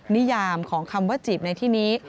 นิยามของคำว่าจีบในที่นี้